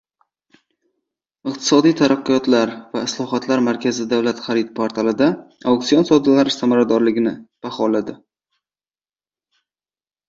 Iqtisodiy tadqiqotlar va islohotlar markazi davlat xaridlari portalida auksion savdolar samaradorligini baholadi